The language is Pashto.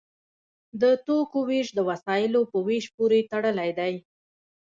د توکو ویش د وسایلو په ویش پورې تړلی دی.